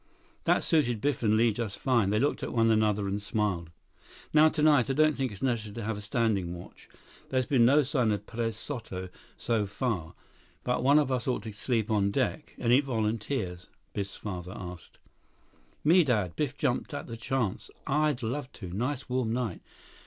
That suited Biff and Li just fine. They looked at one another and smiled. "Now tonight, I don't think it's necessary to have a standing watch. There's been no sign of Perez Soto so far. But one of us ought to sleep on deck. Any volunteers?" Biff's father asked. "Me, Dad." Biff jumped at the chance. "I'd love to. Nice warm night.